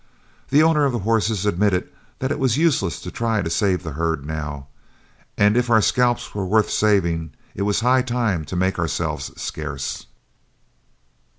The owner of the horses admitted that it was useless to try to save the herd now, and if our scalps were worth saving it was high time to make ourselves scarce.